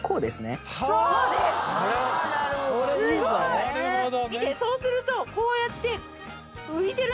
そうするとこうやって。